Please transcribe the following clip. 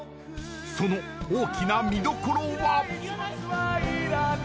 ［その大きな見どころは］